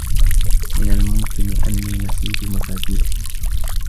من الممكن أنّي نسيت مفاتيحي.